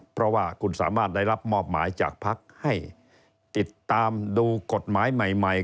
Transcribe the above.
เพราะว่าคุณสามารถได้รับมอบหมายจากพักให้ติดตามดูกฎหมายใหม่